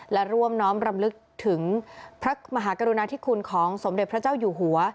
และร่วมน้อมรำลึกถึงพระมหากรุณาธิคุณของสมเด็จพระเจ้าอยู่หัว